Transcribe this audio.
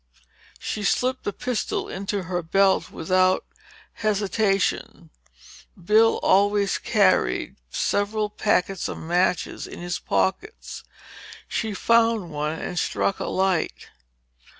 She slipped the pistol into her belt without hesitation. Bill always carried several packets of matches in his pockets. She found one and struck a light.